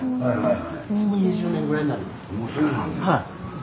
はい。